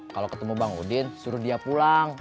kalau ketemu bang udin suruh dia pulang